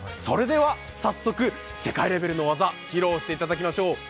それでは、早速、世界レベルの技披露していただきましょう。